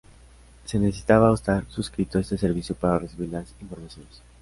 Se necesitaba estar suscrito a este servicio para recibir las informaciones.